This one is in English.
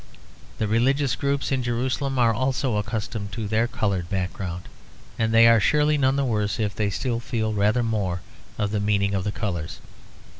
The religious groups in Jerusalem are also accustomed to their coloured background; and they are surely none the worse if they still feel rather more of the meaning of the colours.